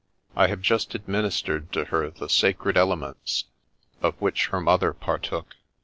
I have just administered to her the sacred elements, of which her mother partook.